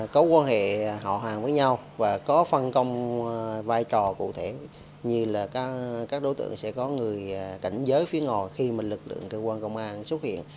có quan hệ họ hàng với nhau và có phân công vai trò cụ thể như là các đối tượng sẽ có người cảnh giới phía ngồi khi mà lực lượng cơ quan công an xuất hiện